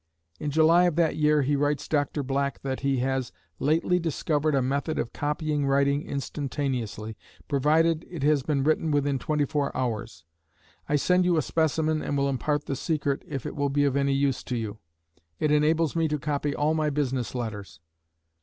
In July of that year he writes Dr. Black that he has "lately discovered a method of copying writing instantaneously, provided it has been written within twenty four hours. I send you a specimen and will impart the secret if it will be of any use to you. It enables me to copy all my business letters."